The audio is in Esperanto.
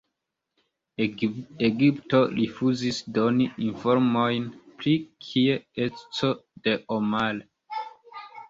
Egipto rifuzis doni informojn pri kie-eco de Omar.